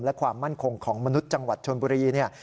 และความมั่นคงของมนุษย์จังหวัดชนบุรีเนี่ย